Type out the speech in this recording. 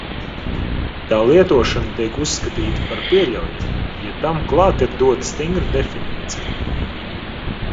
Tā lietošana tiek uzskatīta par pieļaujamu, ja tam klāt ir dota stingra definīcija.